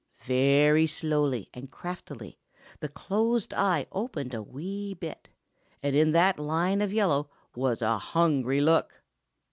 Very slowly and craftily the closed eye opened a wee bit, and in that line of yellow was a hungry look.